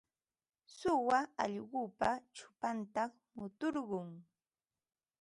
Suwa allqupa chupantam muturqun.